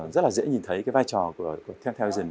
rất là dễ nhìn thấy cái vai trò của viettel townsend